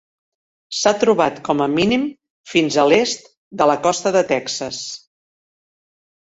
S'ha trobat com a mínim fins a l'est de la costa de Texas.